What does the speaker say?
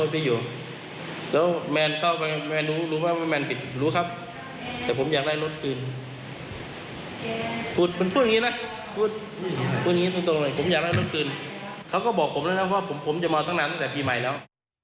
ผมอยากได้รถคืนเขาก็บอกผมแล้วนะว่าผมจะมาตั้งนานตั้งแต่ปีใหม่แล้ว